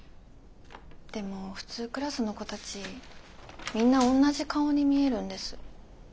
でも普通クラスの子たちみんなおんなじ顔に見えるんです。